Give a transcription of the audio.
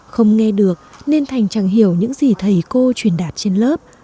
không nghe được nên thành chẳng hiểu những gì thầy cô truyền đạt trên lớp